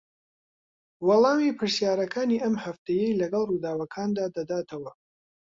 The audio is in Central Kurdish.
وەڵامی پرسیارەکانی ئەم هەفتەیەی لەگەڵ ڕووداوەکاندا دەداتەوە